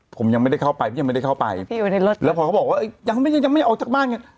ผมยังไม่ได้เข้าไปพี่ยังไม่ได้เข้าไปแล้วพ่อเขาบอกว่ายังไม่เอาจักรบ้าน